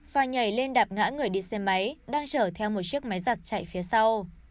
và nhảy lên đạp ngã người đi xe máy đang chở theo một chiếc máy giặt chạy phía sau